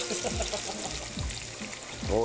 おお！